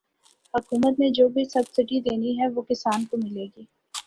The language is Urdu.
حکومت نے جو بھی سبسڈی دینی ہے وہ کسان کو ملے گی